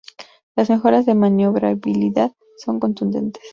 Las mejoras de maniobrabilidad son contundentes.